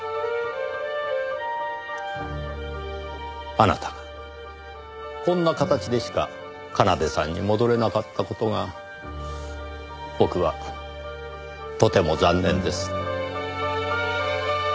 あなたがこんな形でしか奏さんに戻れなかった事が僕はとても残念です。